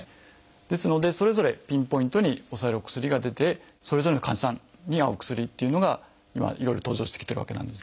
ですのでそれぞれピンポイントに抑えるお薬が出てそれぞれの患者さんに合うお薬っていうのが今いろいろ登場してきてるわけなんですね。